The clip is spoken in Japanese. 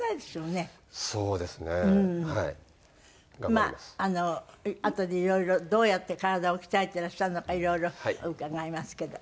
まああのあとでいろいろどうやって体を鍛えていらっしゃるのかいろいろ伺いますけど。